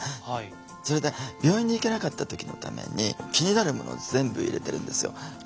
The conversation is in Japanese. それで病院に行けなかった時のために気になるものを全部入れてるんですよ。